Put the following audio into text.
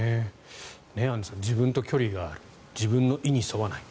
アンジュさん自分と距離が自分の意に沿わない